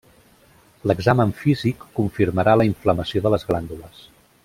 L'examen físic confirmarà la inflamació de les glàndules.